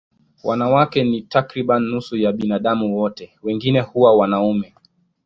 Wanawake ni takriban nusu ya binadamu wote, wengine huwa wanaume.